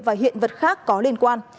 và hiện vật khác có liên quan